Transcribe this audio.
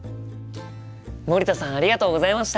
森田さんありがとうございました。